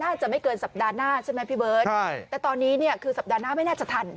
น่าจะไม่เกินสัปดาห์หน้าใช่ไหมพี่เบิร์ตใช่แต่ตอนนี้เนี่ยคือสัปดาห์หน้าไม่น่าจะทัน